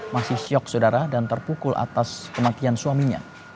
masih syok saudara dan terpukul atas kematian suaminya